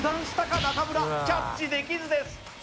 中村キャッチできずです